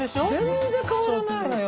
全然変わらないのよ